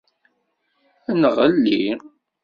Ad nɣelli.